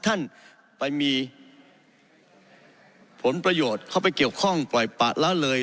ท่านไปมีผลประโยชน์เข้าไปเกี่ยวข้องปล่อยปะละเลย